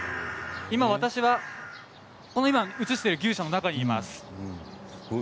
私は映している牛舎の中にいます。